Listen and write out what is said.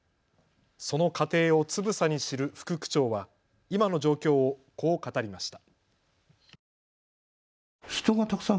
その過程をつぶさに知る副区長は今の状況をこう語りました。